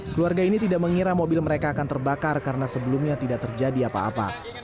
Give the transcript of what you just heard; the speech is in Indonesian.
keluarga ini tidak mengira mobil mereka akan terbakar karena sebelumnya tidak terjadi apa apa